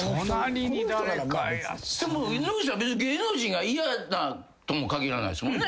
でも野口さん別に芸能人が嫌だとも限らないですもんね。